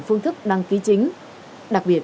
phương thức đăng ký chính đặc biệt